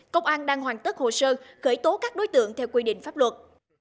công an đang hoàn tất hồ sơ khởi tố các đối tượng theo quy định pháp luật